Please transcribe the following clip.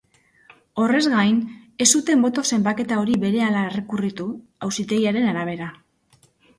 Horrez gain, ez zuten boto-zenbaketa hori berehala errekurritu, auzitegiaren arabera.